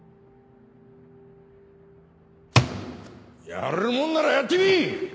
やれるもんならやってみい‼